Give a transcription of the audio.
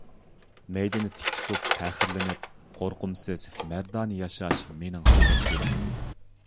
مەيدىنى تىك تۇتۇپ پەخىرلىنىپ، قورقۇمسىز، مەردانە ياشاش مېنىڭ خاراكتېرىم.